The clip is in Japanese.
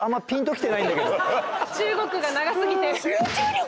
中国が長すぎて。